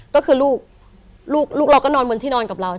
ก็คือลูกลูกเราก็นอนบนที่นอนกับเรา